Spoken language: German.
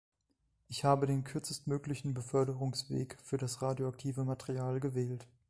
Ich habe den kürzestmöglichen Beförderungsweg für das radioaktive Material gewählt.